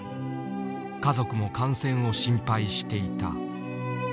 家族も感染を心配していた。